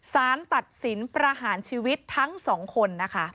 สารตัดสินประหารชีวิตทั้งสองคนนะคะ